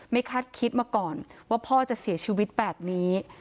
คาดคิดมาก่อนว่าพ่อจะเสียชีวิตแบบนี้